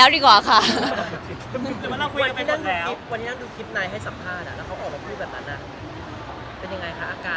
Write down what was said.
เป็นยังไงคะอาการเรา